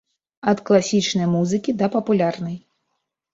Ад класічнай музыкі да папулярнай.